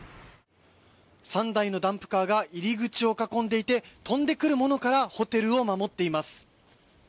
３台のダンプカーが入り口を囲んでいて飛んでくるものからホテルを守っています。